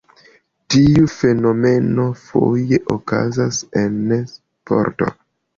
Tiu fenomeno foje okazas en sporto.